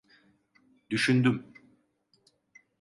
Düşündüm.